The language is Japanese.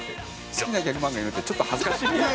好きなギャグ漫画言うのってちょっと恥ずかしいですね。